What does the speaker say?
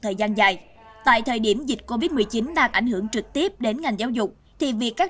thời gian dài tại thời điểm dịch covid một mươi chín đang ảnh hưởng trực tiếp đến ngành giáo dục thì việc các